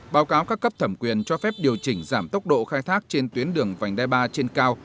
báo cáo các cấp thẩm quyền cho phép điều chỉnh giảm tốc độ khai thác trên tuyến đường vành đai ba trên cao